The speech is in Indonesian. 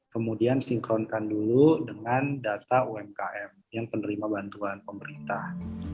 kemudian sinkronkan dulu dengan data umkm yang penerima bantuan pemerintah